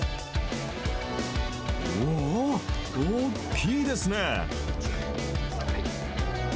おお、大きいですね。